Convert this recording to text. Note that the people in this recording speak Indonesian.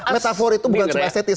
metafor itu bukan cuma estetis